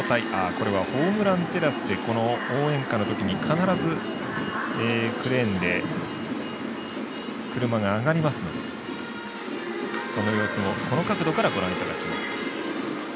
これはホームランテラスで応援歌のときに必ずクレーンで車が上がりますのでその様子もご覧いただきます。